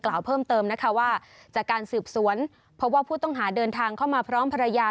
เพิ่มเติมนะคะว่าจากการสืบสวนพบว่าผู้ต้องหาเดินทางเข้ามาพร้อมภรรยา